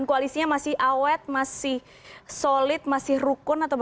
koalisinya masih awet masih solid masih rukun atau bagaimana